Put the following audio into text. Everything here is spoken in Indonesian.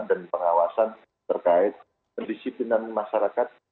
dan pengawasan terkait penisipinan masyarakat